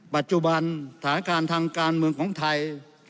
ปัจจุบันสถานการณ์ทางการเมืองของไทย